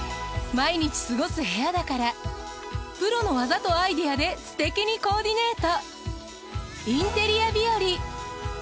毎日過ごす部屋だからプロの技とアイデアですてきにコーディネート。